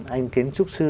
anh kiến trúc sư